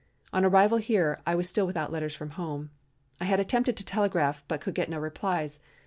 On arrival here I was still without letters from home. I had attempted to telegraph, but could get no replies.